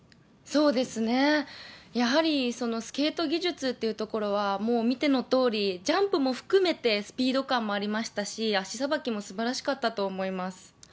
そうですね、やはり、そのスケート技術というところは、もう見てのとおり、ジャンプも含めて、スピード感もありましたし、足さばきもすばらしかったと思います。